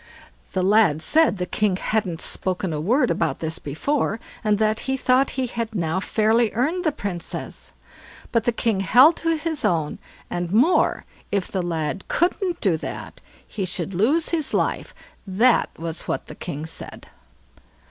The lad said the king hadn't spoken a word about this before, and that he thought he had now fairly earned the Princess; but the king held to his own; and more, if the lad couldn't do that he should lose his life; that was what the king said.